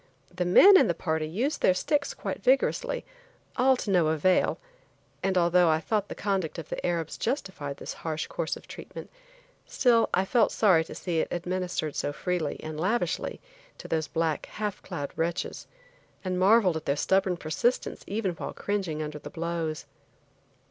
The men in the party used their sticks quite vigorously; all to no avail, and although I thought the conduct of the Arabs justified this harsh course of treatment, still I felt sorry to see it administered so freely and lavishly to those black, half clad wretches, and marveled at their stubborn persistence even while cringing under the blows.